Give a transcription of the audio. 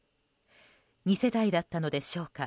２世帯だったのでしょうか